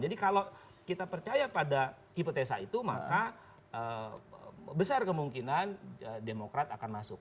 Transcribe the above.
jadi kalau kita percaya pada hipotesa itu maka besar kemungkinan demokrat akan masuk